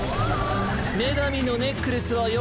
めがみのネックレスはよ